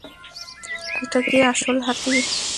এটা কী আসল হাতি?